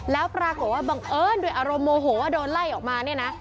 แล้วปรากฏว่าบังเอิญด้วยอารมณ์โมโหว่าโดนไล่ออกมาเนี่ยนะ